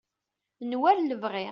n war lebɣi